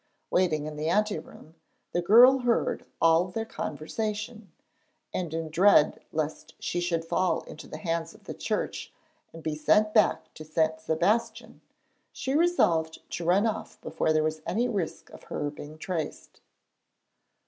Waiting in the ante room, the girl heard all their conversation, and in dread lest she should fall into the hands of the Church and be sent back to St. Sebastian she resolved to run off before there was any risk of her being traced.